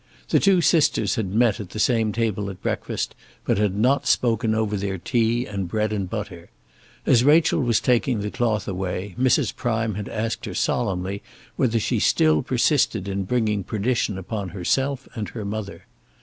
The two sisters had met at the same table at breakfast, but had not spoken over their tea and bread and butter. As Rachel was taking the cloth away Mrs. Prime had asked her solemnly whether she still persisted in bringing perdition upon herself and her mother.